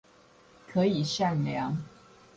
可以善良